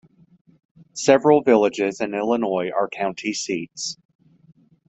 Several villages in Illinois are county seats.